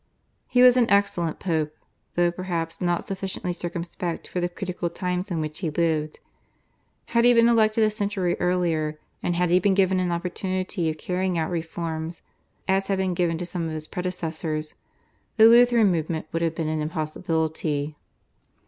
He was an excellent Pope, though perhaps not sufficiently circumspect for the critical times in which he lived. Had he been elected a century earlier, and had he been given an opportunity of carrying out reforms, as had been given to some of his predecessors, the Lutheran movement would have been an impossibility.